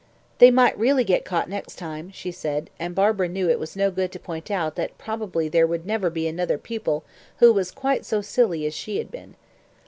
"They might really get caught next time," she said, and Barbara knew it was no good to point out that probably there would never be another pupil who was quite so silly as she had been.